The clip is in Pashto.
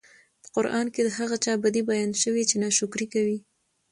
په قران کي د هغه چا بدي بيان شوي چې ناشکري کوي